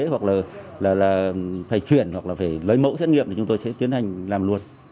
hoặc là phải chuyển hoặc là phải lấy mẫu xét nghiệm thì chúng tôi sẽ tiến hành làm luôn